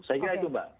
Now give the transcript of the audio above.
saya kira itu mbak